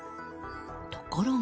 ところが。